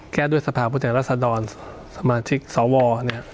แก้ด้วยสภาพุทธแห่งรัฐศาสตร์สมาชิกสวเนี่ย